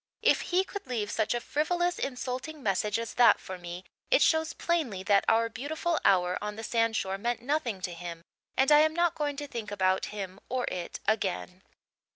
If he could leave such a frivolous, insulting message as that for me it shows plainly that our beautiful hour on the sandshore meant nothing to him and I am not going to think about him or it again.